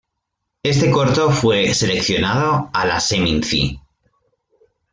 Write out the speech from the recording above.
Este corto fue seleccionada a la Seminci.